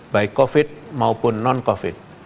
baik covid maupun non covid